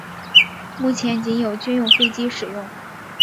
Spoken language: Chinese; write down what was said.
目前仅有军用飞机使用。